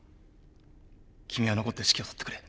君は残って指揮を執ってくれ。